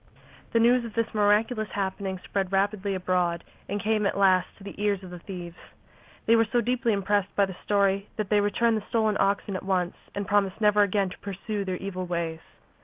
The news of this miraculous happening spread rapidly abroad and came at last to the ears of the thieves. They were so deeply impressed by the story that they returned the stolen oxen at once and promised never again to pursue their evil ways.